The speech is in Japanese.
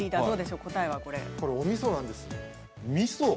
これ、おみそなんです。